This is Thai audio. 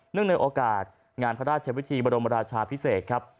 เนื่องในโอกาสงานพระราชเฉพาะวิธีบรมราชาพิเศษครับ